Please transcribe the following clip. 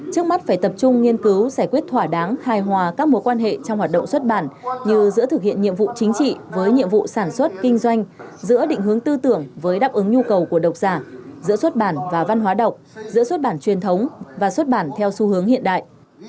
trước mắt phải tập trung nghiên cứu giải quyết thỏa đáng hài hòa các mối quan hệ trong hoạt động xuất bản như giữa thực hiện nhiệm vụ chính trị với nhiệm vụ sản xuất kinh doanh giữa định hướng tư tưởng với đáp ứng nhu cầu của độc giả giữa xuất bản và văn hóa đọc giữa xuất bản truyền thống và xuất bản theo xu hướng hiện đại